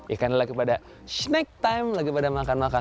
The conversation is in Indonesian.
ikannya lagi pada snack time lagi pada makan makan